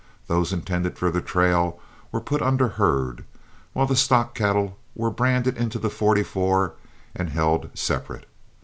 Those intended for the trail were put under herd, while the stock cattle were branded into the "44" and held separate.